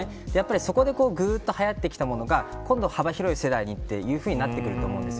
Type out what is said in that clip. そこで、はやってきたものが幅広い世代にとなってくると思うんですよ。